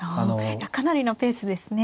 かなりのペースですね。